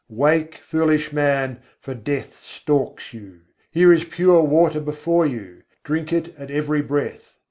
Wake, foolish man! for Death stalks you. Here is pure water before you; drink it at every breath.